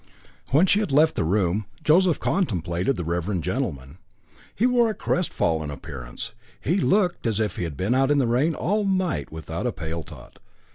When she had left the room, Joseph contemplated the reverend gentleman. He bore a crestfallen appearance. He looked as if he had been out in the rain all night without a paletot.